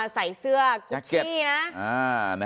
อ๋อใส่เสื้อกุ๊กชี้นะ